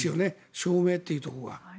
証明というところが。